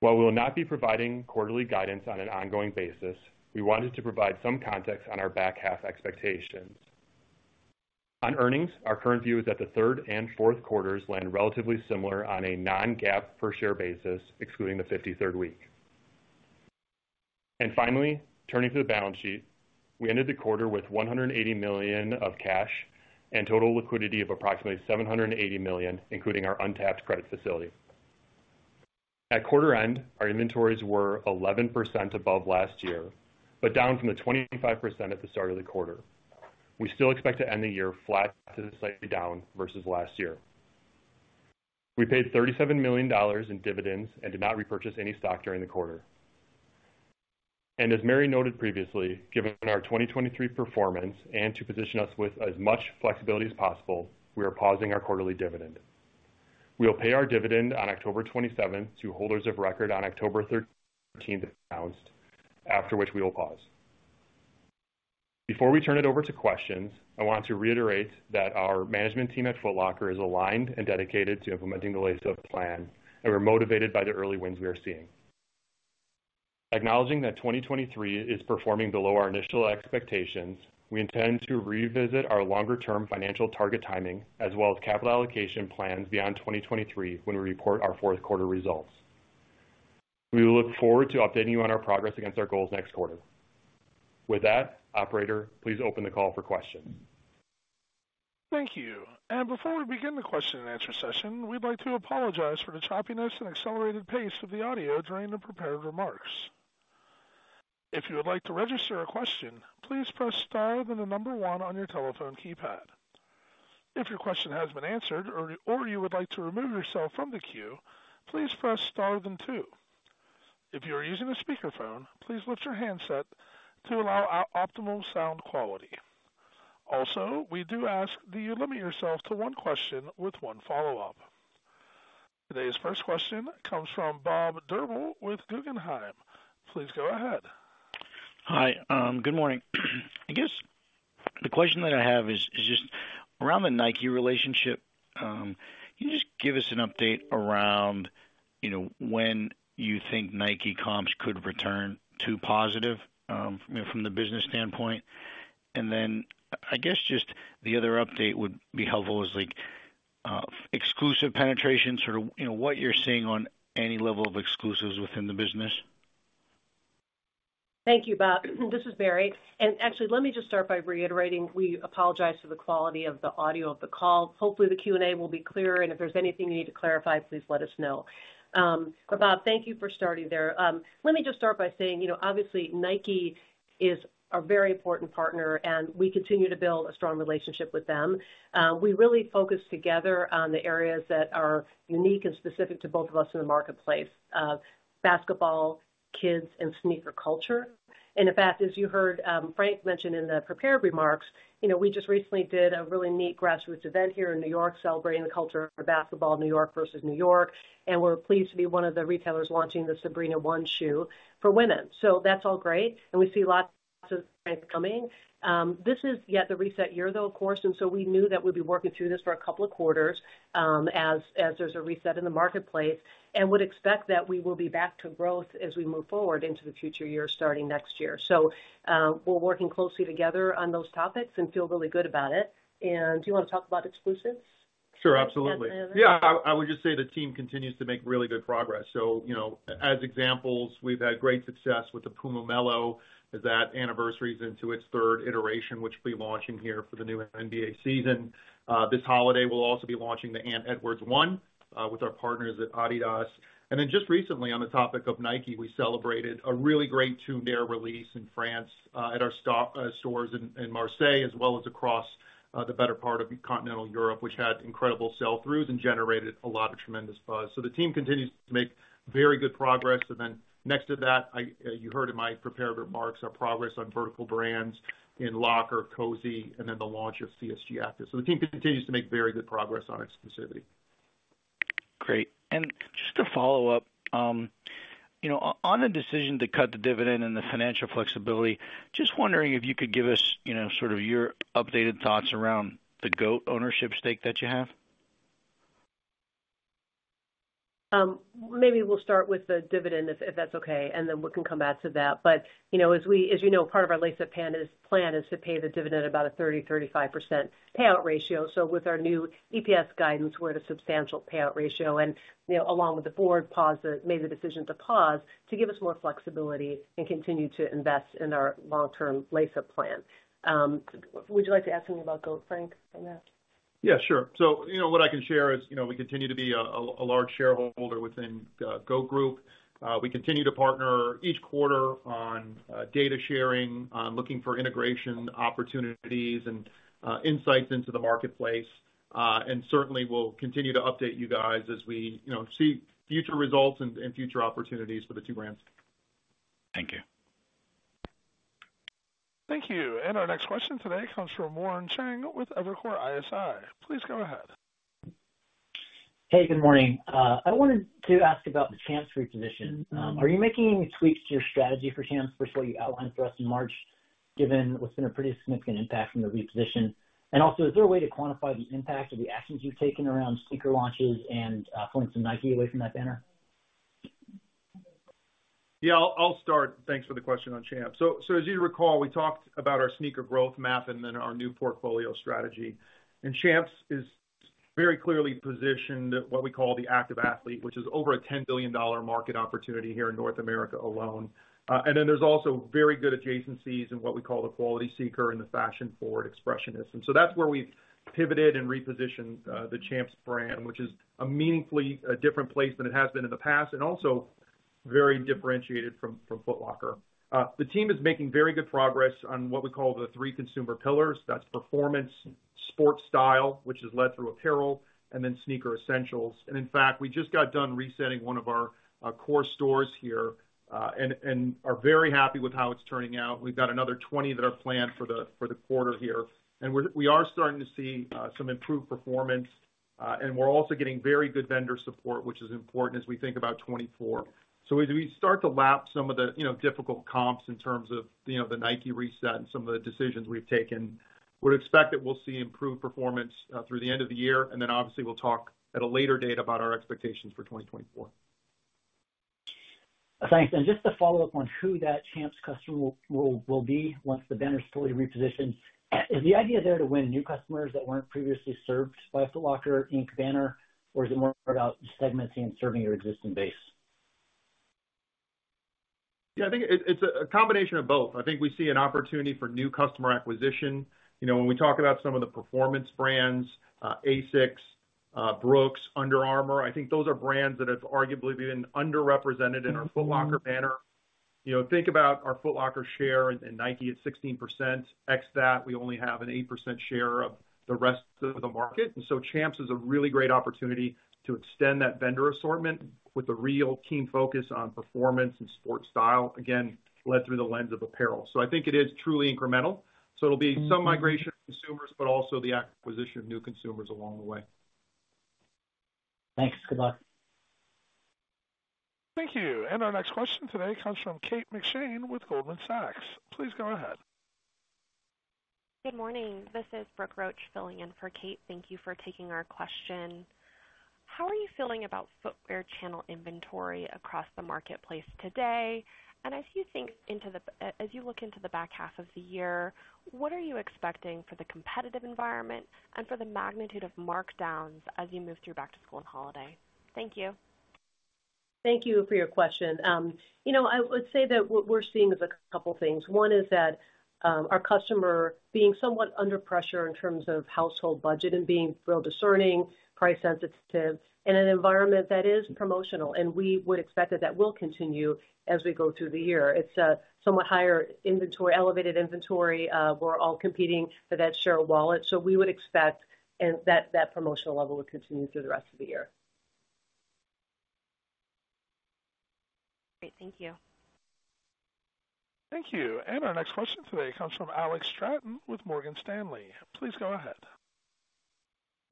While we will not be providing quarterly guidance on an ongoing basis, we wanted to provide some context on our back-half expectations. On earnings, our current view is that the third and fourth quarters land relatively similar on a non-GAAP per share basis, excluding the 53 week. Finally, turning to the balance sheet, we ended the quarter with $180 million of cash and total liquidity of approximately $780 million, including our untapped credit facility. At quarter end, our inventories were 11% above last year, but down from the 25% at the start of the quarter. We still expect to end the year flat to slightly down versus last year. We paid $37 million in dividends and did not repurchase any stock during the quarter. As Mary noted previously, given our 2023 performance and to position us with as much flexibility as possible, we are pausing our quarterly dividend. We will pay our dividend on October 27th to holders of record on October 13th, announced, after which we will pause. Before we turn it over to questions, I want to reiterate that our management team at Foot Locker is aligned and dedicated to implementing the Lace Up plan, and we're motivated by the early wins we are seeing. Acknowledging that 2023 is performing below our initial expectations, we intend to revisit our longer-term financial target timing, as well as capital allocation plans beyond 2023, when we report our fourth quarter results. We look forward to updating you on our progress against our goals next quarter. With that, operator, please open the call for questions. Thank you. Before we begin the question-and-answer session, we'd like to apologize for the choppiness and accelerated pace of the audio during the prepared remarks. If you would like to register a question, please press star, then one on your telephone keypad. If your question has been answered or you would like to remove yourself from the queue, please press star then two. If you are using a speakerphone, please lift your handset to allow optimal sound quality. Also, we do ask that you limit yourself to one question with one follow up. Today's first question comes from Robert Drbul with Guggenheim. Please go ahead. Hi, good morning. I guess the question that I have is, is just around the Nike relationship. Can you just give us an update around, you know, when you think Nike comps could return to positive, you know, from the business standpoint? Then I guess just the other update would be helpful is like, exclusive penetration, sort of, you know, what you're seeing on any level of exclusives within the business. Thank you, Bob. This is Mary, actually, let me just start by reiterating we apologize for the quality of the audio of the call. Hopefully, the Q&A will be clearer, and if there's anything you need to clarify, please let us know. Bob, thank you for starting there. Let me just start by saying, you know, obviously, Nike is a very important partner, and we continue to build a strong relationship with them. We really focus together on the areas that are unique and specific to both of us in the marketplace, basketball, kids, and sneaker culture. In fact, as you heard, Frank mention in the prepared remarks, you know, we just recently did a really neat grassroots event here in New York celebrating the culture of basketball in New York versus New York. We're pleased to be one of the retailers launching the Sabrina one shoe for women. That's all great, and we see lots of coming. This is yet the reset year, though of course, and so we knew that we'd be working through this for a couple of quarters, as there's a reset in the marketplace, and would expect that we will be back to growth as we move forward into the future years, starting next year. We're working closely together on those topics and feel really good about it. Do you want to talk about exclusives? Sure, absolutely. Yeah, I, I would just say the team continues to make really good progress. You know, as examples, we've had great success with the Puma Melo. That anniversary is into its third iteration, which will be launching here for the new NBA season. This holiday, we'll also be launching the adidas AE one with our partners at Adidas. Then just recently, on the topic of Nike, we celebrated a really great Tuned Air release in France, at our stores in Marseille, as well as across the better part of continental Europe, which had incredible sell-throughs and generated a lot of tremendous buzz. The team continues to make very good progress. Then next to that, I, you heard in my prepared remarks, our progress on vertical brands in Locker, Cozi, and then the launch of CSG Active. The team continues to make very good progress on exclusivity. Great. And just to follow up, you know, on, on the decision to cut the dividend and the financial flexibility, just wondering if you could give us, you know, sort of your updated thoughts around the GOAT ownership stake that you have? Maybe we'll start with the dividend, if that's okay, and then we can come back to that. You know, as you know, part of our Lace Up plan is to pay the dividend about a 30%-35% payout ratio. With our new EPS guidance, we're at a substantial payout ratio. You know, along with the board pause, made the decision to pause to give us more flexibility and continue to invest in our long-term Lace Up plan. Would you like to ask me about GOAT, Frank, on that? Yeah, sure. You know, what I can share is, you know, we continue to be a, a, a large shareholder within GOAT Group. We continue to partner each quarter on data sharing, on looking for integration opportunities and insights into the marketplace. Certainly we'll continue to update you guys as we, you know, see future results and future opportunities for the two brands. Thank you. Thank you. Our next question today comes from Warren Cheng with Evercore ISI. Please go ahead. Hey, good morning. I wanted to ask about the Champs reposition. Are you making any tweaks to your strategy for Champs versus what you outlined for us in March, given what's been a pretty significant impact from the reposition? Is there a way to quantify the impact of the actions you've taken around sneaker launches and pulling some Nike away from that banner? Yeah, I'll start. Thanks for the question on Champs. As you recall, we talked about our sneaker growth map and then our new portfolio strategy. Champs is very clearly positioned what we call the active athlete, which is over a $10 billion market opportunity here in North America alone. Then there's also very good adjacencies in what we call the Quality Seeker and the Fashion-Forward Expressionist. So that's where we've pivoted and repositioned the Champs brand, which is a meaningfully, a different place than it has been in the past, and also very differentiated from Foot Locker. The team is making very good progress on what we call the three consumer pillars. That's performance, sportstyle, which is led through apparel, and then sneaker essentials. In fact, we just got done resetting one of our core stores here, and are very happy with how it's turning out. We've got another 20 that are planned for the, for the quarter here, and we are starting to see some improved performance, and we're also getting very good vendor support, which is important as we think about 2024. As we start to lap some of the, you know, difficult comps in terms of, you know, the Nike reset and some of the decisions we've taken, would expect that we'll see improved performance through the end of the year, then obviously, we'll talk at a later date about our expectations for 2024. Thanks. Just to follow up on who that Champs customer will be once the banner is fully repositioned, is the idea there to win new customers that weren't previously served by a Foot Locker Inc. banner? Or is it more about segmenting and serving your existing base? Yeah, I think it, it's a combination of both. I think we see an opportunity for new customer acquisition. You know, when we talk about some of the performance brands, ASICS, Brooks, Under Armour, I think those are brands that have arguably been underrepresented in our Foot Locker banner. You know, think about our Foot Locker share in Nike at 16%. Ex that, we only have an 8% share of the rest of the market. Champs is a really great opportunity to extend that vendor assortment with a real keen focus on performance and sportsstyle, again, led through the lens of apparel. I think it is truly incremental. It'll be some migration of consumers, but also the acquisition of new consumers along the way. Thanks. Good luck. Thank you. Our next question today comes from Kate McShane with Goldman Sachs. Please go ahead. Good morning. This is Brooke Roach filling in for Kate. Thank you for taking our question. How are you feeling about footwear channel inventory across the marketplace today? As you look into the back half of the year, what are you expecting for the competitive environment and for the magnitude of markdowns as you move through back-to-school and holiday? Thank you. Thank you for your question. You know, I would say that what we're seeing is a couple things. One is that, our customer being somewhat under pressure in terms of household budget and being real discerning, price sensitive, in an environment that is promotional, and we would expect that that will continue as we go through the year. It's a somewhat higher inventory, elevated inventory. We're all competing for that share of wallet, so we would expect that promotional level to continue through the rest of the year. Great. Thank you. Thank you. Our next question today comes from Alex Straton with Morgan Stanley. Please go ahead.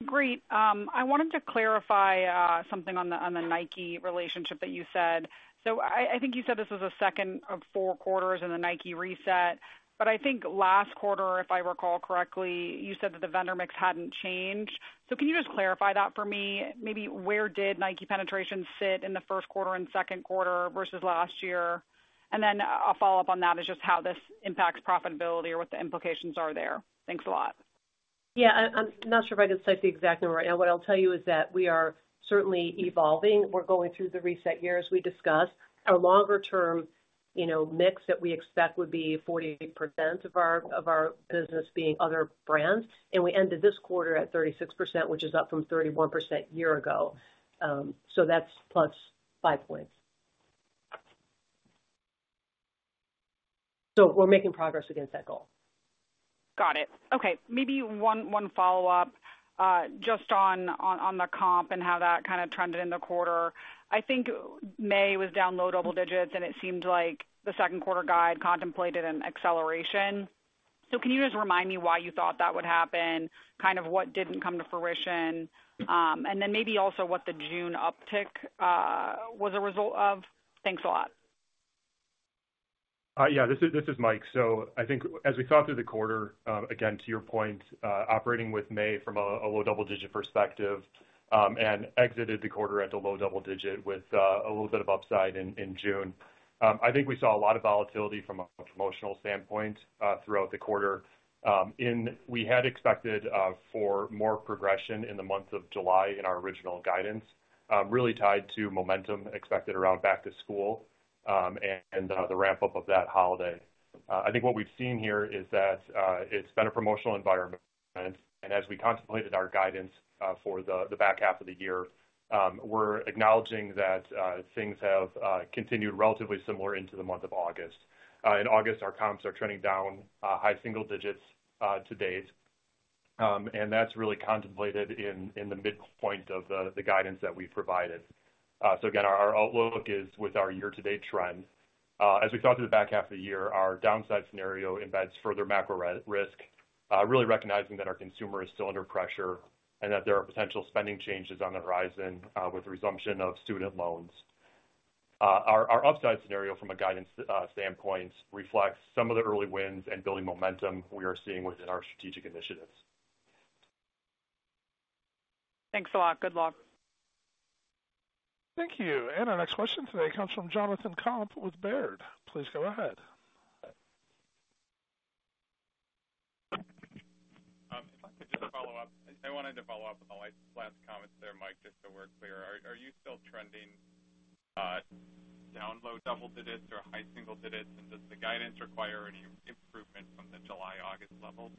Great. I wanted to clarify something on the Nike relationship that you said. I, I think you said this was the second of four quarters in the Nike reset, but I think last quarter, if I recall correctly, you said that the vendor mix hadn't changed. Can you just clarify that for me? Maybe where did Nike penetration sit in the first quarter and second quarter versus last year? And then a follow-up on that is just how this impacts profitability or what the implications are there. Thanks a lot. Yeah. I, I'm not sure if I can cite the exact number right now. What I'll tell you is that we are certainly evolving. We're going through the reset year, as we discussed. Our longer-term, you know, mix that we expect would be 48% of our, of our business being other brands, and we ended this quarter at 36%, which is up from 31% year ago. That's +5 points. We're making progress against that goal. Got it. Okay, maybe one, one follow-up, just on, on, on the comp and how that kind of trended in the quarter. I think May was down low double digits, and it seemed like the second quarter guide contemplated an acceleration. Can you just remind me why you thought that would happen? Kind of what didn't come to fruition, and then maybe also what the June uptick was a result of? Thanks a lot. Yeah, this is Mike. I think as we thought through the quarter, again, to your point, operating with May from a low double-digit perspective, and exited the quarter at a low double-digit with a little bit of upside in June. I think we saw a lot of volatility from a promotional standpoint throughout the quarter. We had expected for more progression in the month of July in our original guidance, really tied to momentum expected around back-to-school, and the ramp-up of that holiday. I think what we've seen here is that it's been a promotional environment, and as we contemplated our guidance for the back half of the year, we're acknowledging that things have continued relatively similar into the month of August. In August, our comps are trending down high single-digits to date, and that's really contemplated in the midpoint of the guidance that we provided. Again, our outlook is with our year-to-date trend. As we talk through the back half of the year, our downside scenario embeds further macro re- risk, really recognizing that our consumer is still under pressure and that there are potential spending changes on the horizon with the resumption of student loans. Our, our upside scenario from a guidance standpoint, reflects some of the early wins and building momentum we are seeing within our strategic initiatives. Thanks a lot. Good luck. Thank you. Our next question today comes from Jonathan Komp with Baird. Please go ahead.... if I could just follow up, I wanted to follow up on my last comments there, Mike, just so we're clear. Are, are you still trending, down low double-digits or high single-digits? Does the guidance require any improvement from the July, August levels?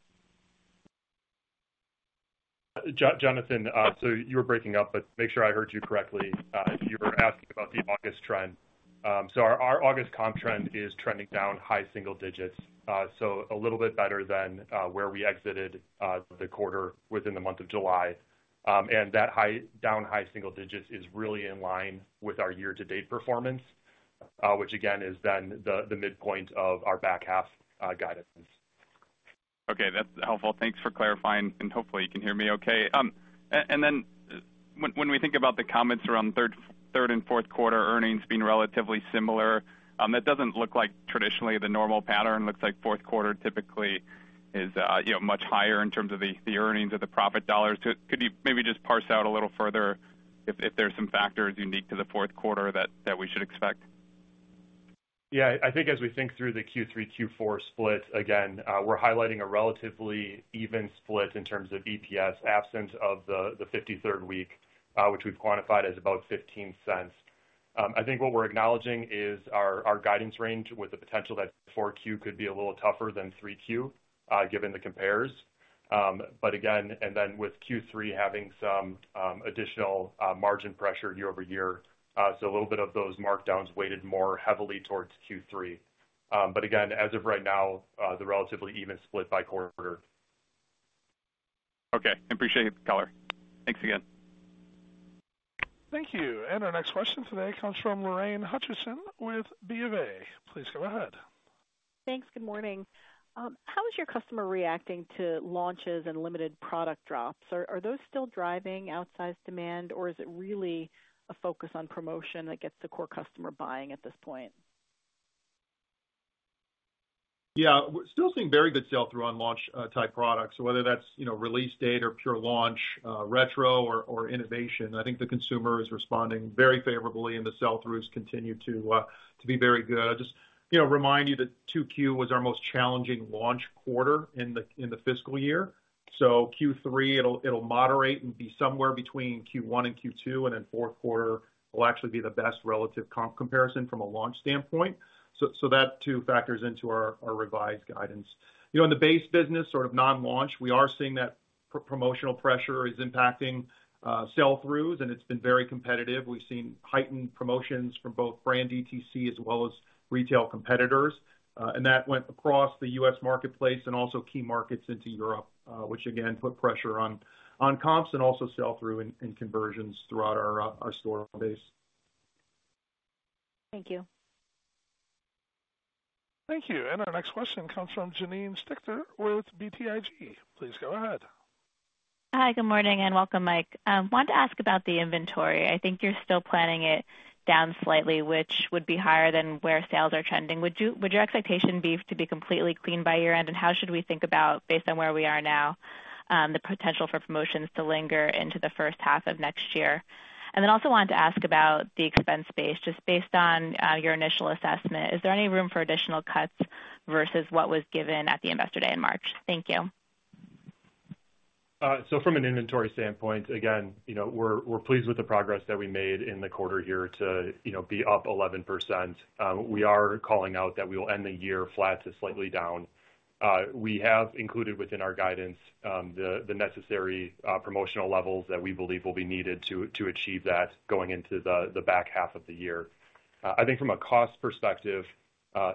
Jonathan, you were breaking up, make sure I heard you correctly. You were asking about the August trend. Our, our August comp trend is trending down high single-digits. A little bit better than where we exited the quarter within the month of July. That down high single-digits is really in line with our year-to-date performance, which again, is the, the midpoint of our back half guidance. Okay, that's helpful. Thanks for clarifying, and hopefully you can hear me okay. And then when we think about the comments around third and fourth quarter earnings being relatively similar, that doesn't look like traditionally the normal pattern. Looks like fourth quarter typically is, you know, much higher in terms of the earnings or the profit dollars. Could you maybe just parse out a little further if there's some factors unique to the fourth quarter that we should expect? Yeah, I think as we think through the Q3, Q4 split, again, we're highlighting a relatively even split in terms of EPS, absent of the 53rd week, which we've quantified as about $0.15. I think what we're acknowledging is our guidance range with the potential that 4Q could be a little tougher than 3Q, given the compares. Again, with Q3 having some additional margin pressure year-over-year, so a little bit of those markdowns weighted more heavily towards Q3. Again, as of right now, they're relatively even split by quarter. Okay, appreciate the color. Thanks again. Thank you. Our next question today comes from Lorraine Hutchinson with BofA. Please go ahead. Thanks. Good morning. How is your customer reacting to launches and limited product drops? Are those still driving outsized demand, or is it really a focus on promotion that gets the core customer buying at this point? Yeah, we're still seeing very good sell-through on launch-type products. Whether that's, you know, release date or pure launch, retro or, or innovation, I think the consumer is responding very favorably and the sell-throughs continue to be very good. Just, you know, remind you that 2Q was our most challenging launch quarter in the fiscal year. Q3, it'll, it'll moderate and be somewhere between Q1 and Q2, and then fourth quarter will actually be the best relative comp comparison from a launch standpoint. That too factors into our revised guidance. You know, in the base business or of non-launch, we are seeing that promotional pressure is impacting sell-throughs, and it's been very competitive. We've seen heightened promotions from both brand DTC as well as retail competitors. That went across the U.S. marketplace and also key markets into Europe, which again, put pressure on, on comps and also sell-through and, and conversions throughout our store base. Thank you. Thank you. Our next question comes from Janine Stichter with BTIG. Please go ahead. Hi, good morning, welcome, Mike. Wanted to ask about the inventory. I think you're still planning it down slightly, which would be higher than where sales are trending. Would your expectation be to be completely clean by year-end? How should we think about, based on where we are now, the potential for promotions to linger into the first half of next year? Also wanted to ask about the expense base. Just based on your initial assessment, is there any room for additional cuts versus what was given at the Investor Day in March? Thank you. From an inventory standpoint, again, you know, we're, we're pleased with the progress that we made in the quarter here to, you know, be up 11%. We are calling out that we will end the year flat to slightly down. We have included within our guidance, the, the necessary, promotional levels that we believe will be needed to, to achieve that going into the, the back half of the year. I think from a cost perspective,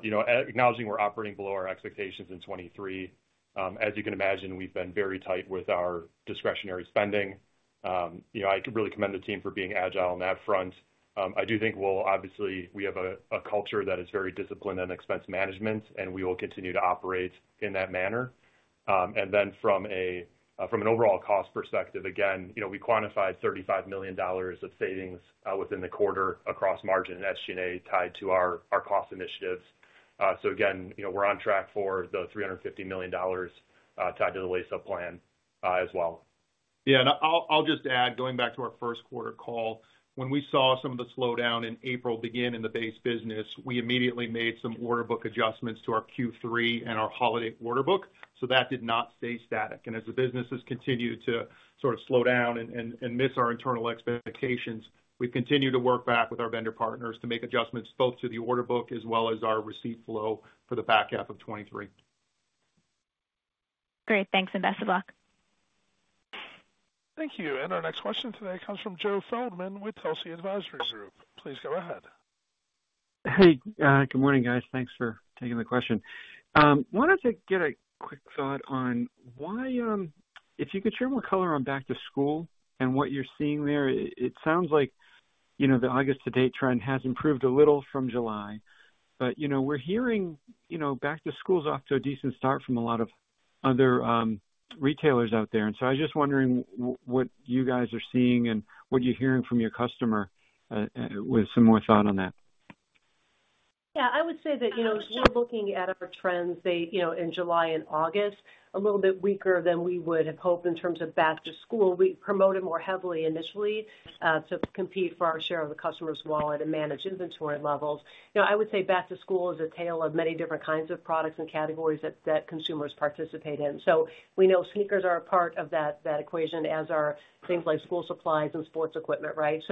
you know, acknowledging we're operating below our expectations in 2023, as you can imagine, we've been very tight with our discretionary spending. You know, I could really commend the team for being agile on that front. I do think we'll... Obviously, we have a culture that is very disciplined on expense management, and we will continue to operate in that manner. Then from an overall cost perspective, again, you know, we quantified $35 million of savings within the quarter across margin and SG&A, tied to our cost initiatives. Again, you know, we're on track for the $350 million tied to the Lace Up plan as well. Yeah, and I'll just add, going back to our first quarter call, when we saw some of the slowdown in April begin in the base business, we immediately made some order book adjustments to our Q3 and our holiday order book, so that did not stay static. As the businesses continue to sort of slow down and miss our internal expectations, we continue to work back with our vendor partners to make adjustments both to the order book as well as our receipt flow for the back half of 2023. Great. Thanks, and best of luck. Thank you. Our next question today comes from Joseph Feldman with Telsey Advisory Group. Please go ahead. Hey, good morning, guys. Thanks for taking the question. Wanted to get a quick thought on why, if you could share more color on back-to-school and what you're seeing there. It, it sounds like, you know, the August to date trend has improved a little from July, but, you know, we're hearing, you know, back-to-school is off to a decent start from a lot of other retailers out there. So I was just wondering what you guys are seeing and what you're hearing from your customer, with some more thought on that? Yeah, I would say that, you know, we're looking at our trends, say, you know, in July and August, a little bit weaker than we would have hoped in terms of back-to-school. We promoted more heavily initially to compete for our share of the customer's wallet and manage inventory levels. You know, I would say back-to-school is a tale of many different kinds of products and categories that, that consumers participate in. We know sneakers are a part of that, that equation, as are things like school supplies and sports equipment, right?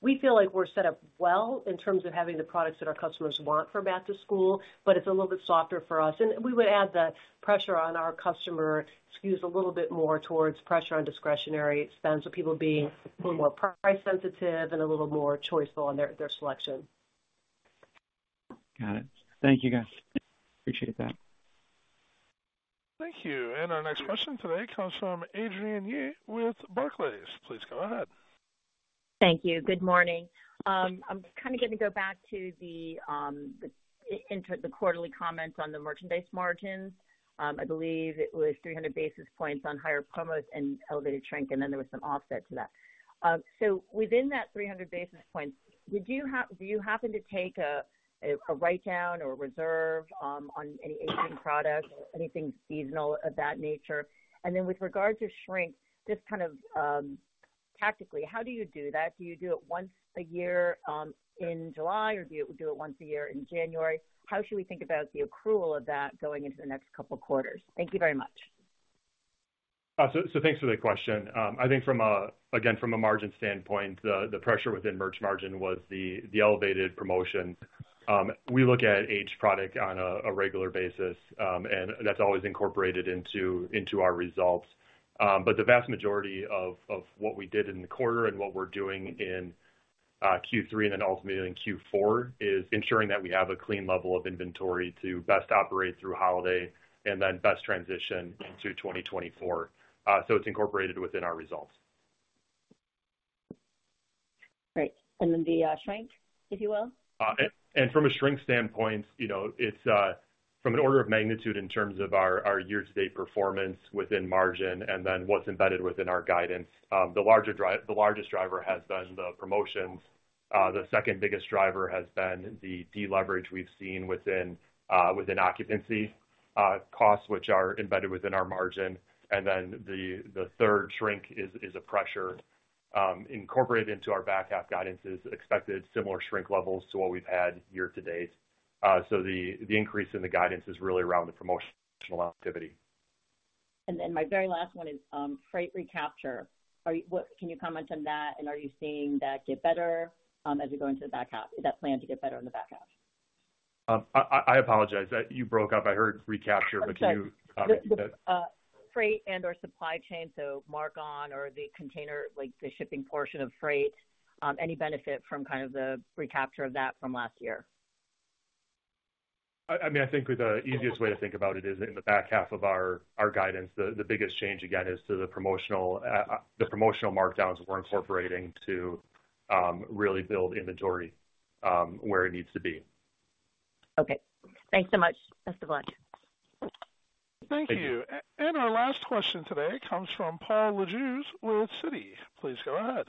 We feel like we're set up well in terms of having the products that our customers want for back-to-school, but it's a little bit softer for us. We would add the pressure on our customer skews a little bit more towards pressure on discretionary spend, so people being a little more price sensitive and a little more choiceful on their their selection. Got it. Thank you, guys. Appreciate that. Thank you. Our next question today comes from Adrienne Yih with Barclays. Please go ahead. Thank you. Good morning. I'm kind of going to go back to the quarterly comments on the merchandise margins. I believe it was 300 basis points on higher promos and elevated shrink, and then there was some offset to that. Within that 300 basis points, do you happen to take a write-down or reserve on any aging products or anything seasonal of that nature? Then with regards to shrink, just kind of tactically, how do you do that? Do you do it once a year in July, or do you do it once a year in January? How should we think about the accrual of that going into the next couple of quarters? Thank you very much. Thanks for the question. I think from a, again, from a margin standpoint, the pressure within merch margin was the elevated promotion. We look at each product on a regular basis, and that's always incorporated into our results. The vast majority of what we did in the quarter and what we're doing in Q3 and then ultimately in Q4, is ensuring that we have a clean level of inventory to best operate through holiday and then best transition into 2024. It's incorporated within our results. Great. Then the, shrink, if you will? From a shrink standpoint, you know, it's from an order of magnitude in terms of our year-to-date performance within margin, and then what's embedded within our guidance, the largest driver has been the promotions. The second biggest driver has been the deleverage we've seen within occupancy costs, which are embedded within our margin. The third shrink is a pressure incorporated into our back half guidance is expected similar shrink levels to what we've had year to date. The increase in the guidance is really around the promotional activity. My very last one is, freight recapture. Can you comment on that? Are you seeing that get better, as you go into the back half? Is that planned to get better in the back half? I, I, I apologize that you broke up. I heard recapture, but can you comment on that? freight and/or supply chain, so mark-on or the container, like the shipping portion of freight, any benefit from the recapture of that from last year? I mean, I think the easiest way to think about it is in the back half of our guidance, the biggest change, again, is to the promotional markdowns we're incorporating to really build inventory where it needs to be. Okay. Thanks so much. Best of luck. Thank you. Thank you. Our last question today comes from Paul Lejuez with Citi. Please go ahead.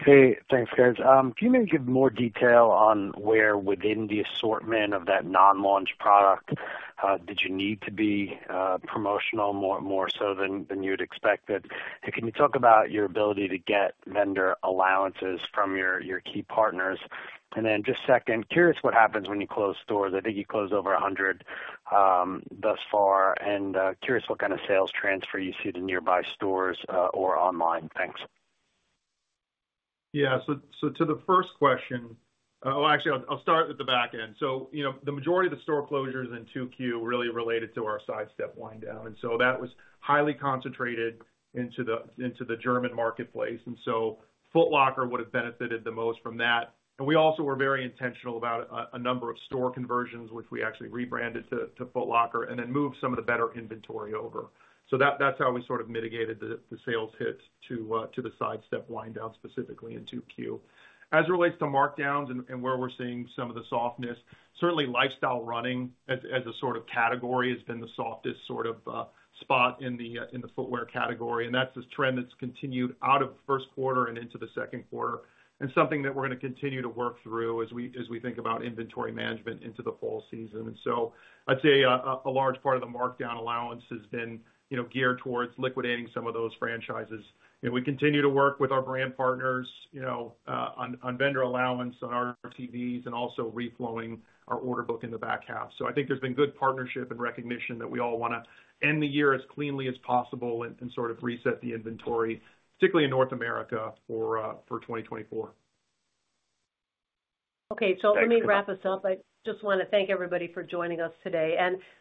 Hey, thanks, guys. Can you maybe give more detail on where within the assortment of that non-launch product did you need to be promotional, more, more so than, than you'd expected? Can you talk about your ability to get vendor allowances from your, your key partners? Just second, curious what happens when you close stores. I think you closed over 100 thus far, and curious what kind of sales transfer you see to nearby stores or online. Thanks. Yeah, so, so to the first question, well, actually, I'll, I'll start at the back end. You know, the majority of the store closures in 2Q really related to our Sidestep wind down, that was highly concentrated into the, into the German marketplace, Foot Locker would have benefited the most from that. We also were very intentional about a, a number of store conversions, which we actually rebranded to, to Foot Locker, and then moved some of the better inventory over. That, that's how we sort of mitigated the, the sales hit to, to the Sidestep wind down, specifically in 2Q. As it relates to markdowns and, and where we're seeing some of the softness, certainly lifestyle running as, as a sort of category, has been the softest sort of, spot in the, in the footwear category. That's a trend that's continued out of the first quarter and into the second quarter, and something that we're gonna continue to work through as we, as we think about inventory management into the fall season. I'd say a, a large part of the markdown allowance has been, you know, geared towards liquidating some of those franchises. We continue to work with our brand partners, you know, on, on vendor allowance, on RTVs, and also reflowing our order book in the back half. I think there's been good partnership and recognition that we all wanna end the year as cleanly as possible and, and sort of reset the inventory, particularly in North America, for 2024. Okay, let me wrap this up. I just want to thank everybody for joining us today.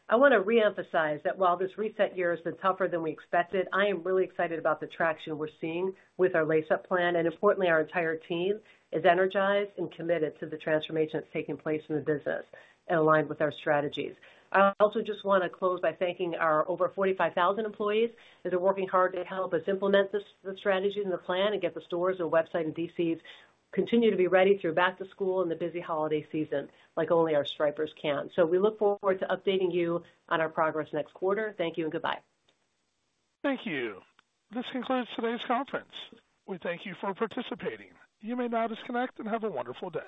I want to reemphasize that while this reset year has been tougher than we expected, I am really excited about the traction we're seeing with our Lace Up plan. Importantly, our entire team is energized and committed to the transformation that's taking place in the business and aligned with our strategies. I also just want to close by thanking our over 45,000 employees that are working hard to help us implement this, the strategy and the plan, and get the stores, our website, and DCs continue to be ready through back-to-school and the busy holiday season, like only our Stripers can. We look forward to updating you on our progress next quarter. Thank you and goodbye. Thank you. This concludes today's conference. We thank you for participating. You may now disconnect and have a wonderful day.